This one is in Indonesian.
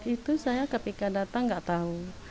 itu saya ke pikadatan tidak tahu